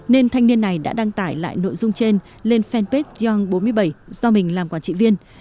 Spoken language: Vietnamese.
nên thanh niên này đã đăng tải lại nội dung trên lên fanpage yong bốn mươi bảy do mình làm quản trị viên